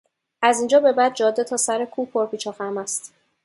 از اینجا به بعد جاده تا سر کوه پر پیچ و خم است.